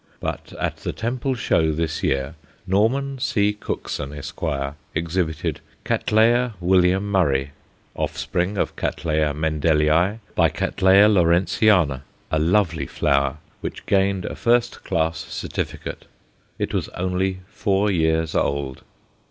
But at the Temple Show this year Norman C. Cookson, Esq., exhibited Catt. William Murray, offspring of Catt. Mendellii × Catt. Lawrenceana, a lovely flower which gained a first class certificate. It was only four years old.